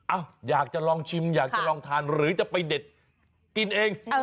อยากจะลองชิมอยากจะลองทานหรือจะไปเด็ดกินเอง